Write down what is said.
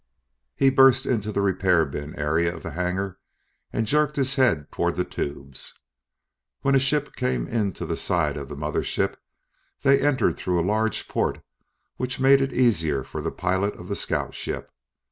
He burst into the repair bin area of the hangar and jerked his head toward the tubes. When a ship came into the side of the mother ship, they entered through a large port which made it easier for the pilot of the scout ship.